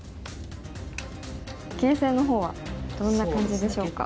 形勢の方はどんな感じでしょうか。